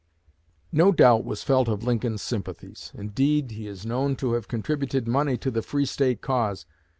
No doubt was felt of Lincoln's sympathies; indeed, he is known to have contributed money to the Free State cause.